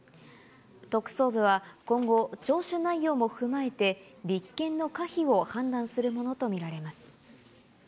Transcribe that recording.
特捜部は今後、聴取内容も踏まえて、立件の可否を判断するものと見られます。